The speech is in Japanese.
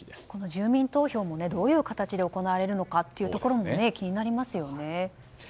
この住民投票もどういう形で行われるのかというところも気になりますよね。